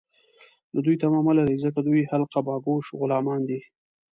له دوی تمه مه لرئ ، ځکه دوی حلقه باګوش غلامان دي